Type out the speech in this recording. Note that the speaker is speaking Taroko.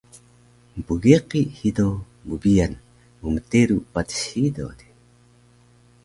Mpgeqi hido bbiyan mmteru patis hido de